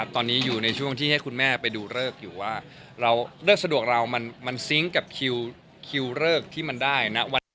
ตอนนี้อยู่ในช่วงที่ให้คุณแม่ไปดูฤกษ์ฤกษ์สะดวกเรามันซิงค์กับคิวฤกษ์ที่มันได้